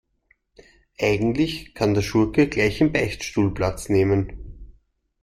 Eigentlich kann der Schurke gleich im Beichtstuhl Platz nehmen.